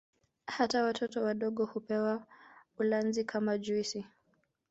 Hata watoto wadogo hupewa ulanzi kama juisi